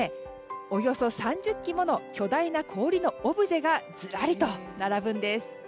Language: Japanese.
およそ３０基もの巨大な氷のオブジェがずらりと並ぶんです。